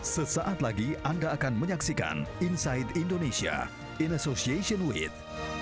sesaat lagi anda akan menyaksikan inside indonesia in association with